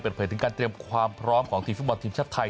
เปิดเผยถึงการเตรียมความพร้อมของทีมฟุตบอลทีมชาติไทย